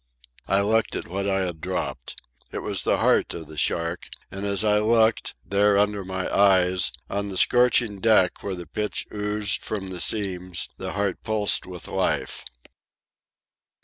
I looked at what I had dropped. It was the heart of the shark, and as I looked, there under my eyes, on the scorching deck where the pitch oozed from the seams, the heart pulsed with life.